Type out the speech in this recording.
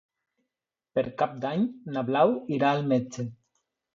Per Cap d'Any na Blau irà al metge.